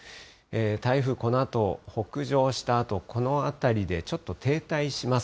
台風、このあと北上したあと、この辺りでちょっと停滞します。